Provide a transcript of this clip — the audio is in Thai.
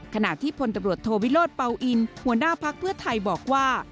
ขณะที่พลตำรวจโทวิโรธเปล่าอินหัวหน้าพักเพื่อไทยบอกว่า